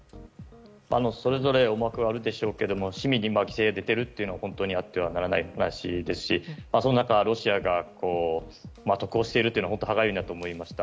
それぞれ思惑はあるでしょうが市民に犠牲が出ていることは本当にあってはならない話ですしそんな中、ロシアが渡航しているのは歯がゆいなと思いました。